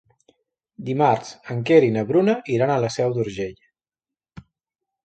Dimarts en Quer i na Bruna iran a la Seu d'Urgell.